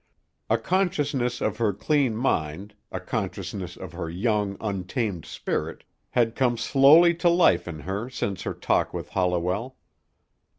A consciousness of her clean mind, a consciousness of her young, untamed spirit, had come slowly to life in her since her talk with Holliwell.